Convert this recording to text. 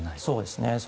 そうですね。